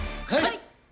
はい！